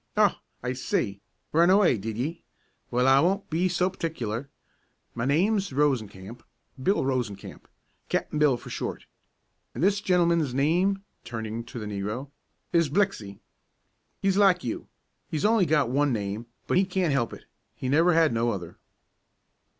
"Oh, I see! Run away, did ye? Well, I won't be so partic'ler. My name's Rosencamp, Bill Rosencamp. Cap'n Bill, for short. An' this gentleman's name," turning to the negro, "is Blixey. He's like you; he's only got one name; but he can't help it, he never had no other."